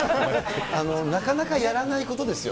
なかなかやらないことですよ